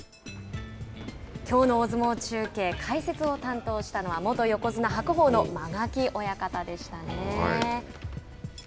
きょうの大相撲中継解説を担当したのは元横綱・白鵬の間垣親方でしたね。